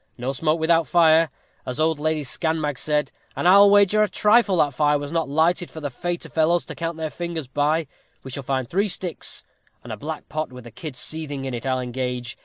No smoke without fire, as old Lady Scanmag said; and I'll wager a trifle that fire was not lighted for the fayter fellows to count their fingers by. We shall find three sticks, and a black pot with a kid seething in it, I'll engage.